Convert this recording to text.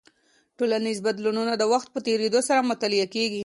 ټولنیز بدلونونه د وخت په تېرېدو سره مطالعه کیږي.